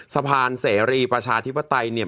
สะพานเสรีประชาธิปไตยเนี่ย